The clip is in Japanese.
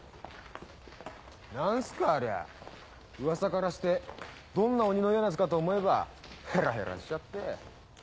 何すかありゃウワサからしてどんな鬼のようなヤツかと思えばヘラヘラしちゃって。